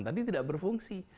tadi tidak berfungsi